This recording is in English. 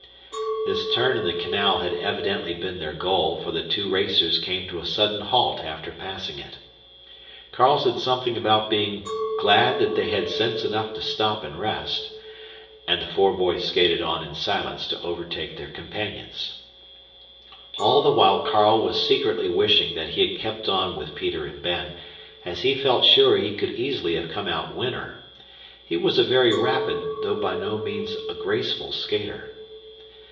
This turn in the canal had evidently been their goal, for the two racers came to a sudden halt after passing it. Carl said something about being "glad that they had sense enough to stop and rest," and the four boys skated on in silence to overtake their companions. All the while Carl was secretly wishing that he had kept on with Peter and Ben, as he felt sure he could easily have come out winner. He was a very rapid, though by no means a graceful, skater.